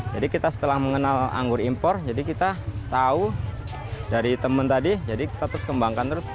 jadi kita setelah mengenal anggur impor jadi kita tahu dari temen tadi jadi kita terus kembangkan terus